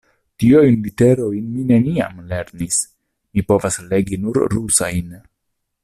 Tiajn literojn mi neniam lernis; mi povas legi nur rusajn.